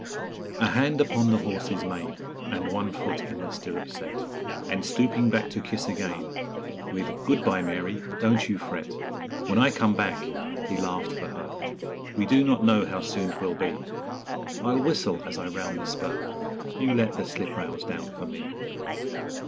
_ A hand upon the horse's mane, And one foot in the stirrup set, And, stooping back to kiss again, With 'Good bye, Mary! don't you fret! When I come back' he laughed for her 'We do not know how soon 'twill be; I'll whistle as I round the spur You let the sliprails down for me.'